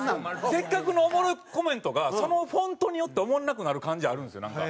せっかくのおもろいコメントがそのフォントによっておもんなくなる感じあるんですよなんか。